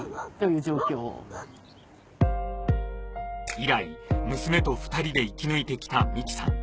以来娘と２人で生き抜いてきた美紀さん